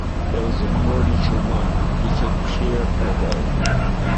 It was a quarter to one; he could clear away.